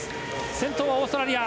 先頭はオーストラリア。